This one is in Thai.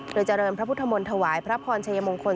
โดยเจริญพระพุทธมนต์ถวายพระพรชัยมงคล